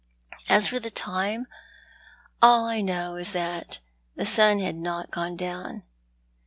As for the time, all I know is that the sun had not gone down."